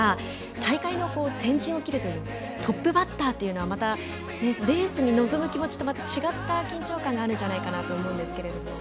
大会の先陣を切るというトップバッターはまたレースに臨む気持ちとまた違った緊張感があるんじゃないかと思いますが。